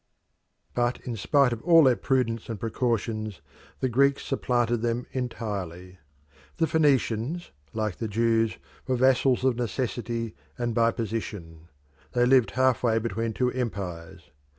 But in spite of all their prudence and precautions, the Greeks supplanted them entirely. The Phoenicians, like the Jews, were vassals of necessity and by position: they lived half way between two empires.